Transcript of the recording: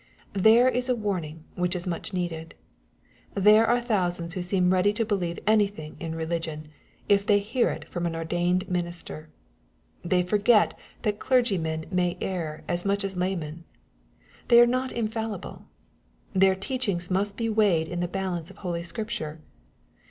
This is a warning which is much needed. There are thousands who seem ready to believe anything in religion, if they hear it from an ordained minister. They forget that clergymen may err as much as laymen. They are not infallible. Their teaching must be weighed in the balance of Holy Scripture.